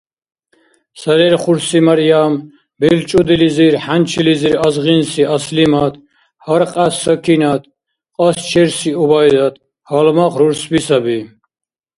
Сарерхурси Марьям, белчӏудилизир, хӏянчилизир азгъинси Аслимат, гьаркья Сакинат, кьасчерси Убайдат гьалмагъ рурсби саби.